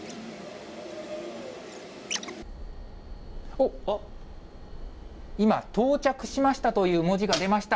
おっ、あっ、今、到着しましたという文字が出ました。